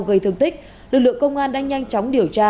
gây thương tích lực lượng công an đã nhanh chóng điều tra